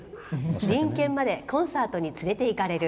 隣県までコンサートに連れていかれる。